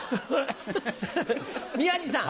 宮治さん。